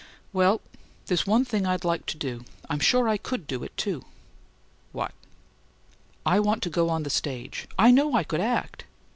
"Well there's one thing I'd like to do. I'm sure I COULD do it, too." "What?" "I want to go on the stage: I know I could act."